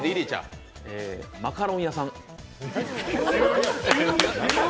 マカロン屋さん。